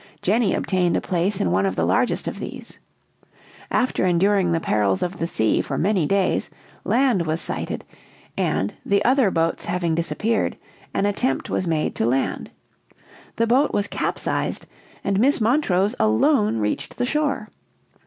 Jenny obtained a place in one of the largest of these. After enduring the perils of the sea for many days, land was sighted; and, the other boats having disappeared, an attempt was made to land. The boat was capsized, and Miss Montrose alone reached the shore.